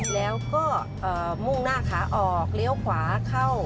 แล้วก็มุ่งหน้าขาออกเลี้ยวขวาเข้า